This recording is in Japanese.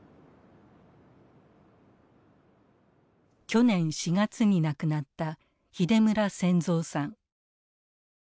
去年４月に亡くなった秀村選三さん。